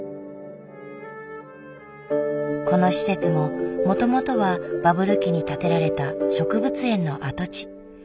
この施設ももともとはバブル期に建てられた植物園の跡地。